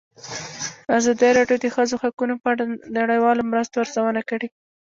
ازادي راډیو د د ښځو حقونه په اړه د نړیوالو مرستو ارزونه کړې.